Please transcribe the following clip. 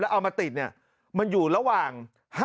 เอามาติดเนี่ยมันอยู่ระหว่าง